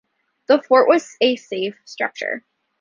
The Fort was a safe structure.